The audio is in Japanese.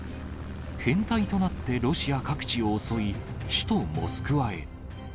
編隊となってロシア各地を襲い、首都モスクワへ。